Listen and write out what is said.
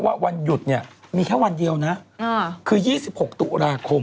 วันหยุดเนี่ยมีแค่วันเดียวนะคือ๒๖ตุลาคม